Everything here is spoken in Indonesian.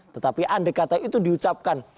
tetapi andekata itu diucapkan